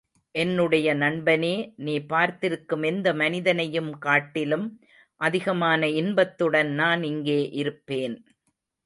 என்னுடைய நண்பனே, நீ பார்த்திருக்கும் எந்த மனிதனையும் காட்டிலும், அதிகமான இன்பத்துடன் நான் இங்கே இருப்பேன்.